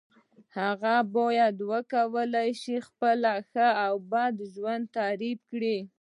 هغه باید وکولای شي خپله ښه او بد ژوند تعریف کړی.